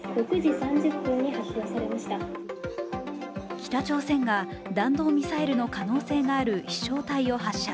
北海道が弾道ミサイルの可能性がある飛翔体を発射。